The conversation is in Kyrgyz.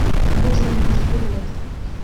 Бул чын эле кызыктуу болот.